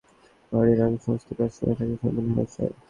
বাড়ী রঙের সমস্ত কাজ সময় থাকতে সম্পূর্ণ হওয়া চাই।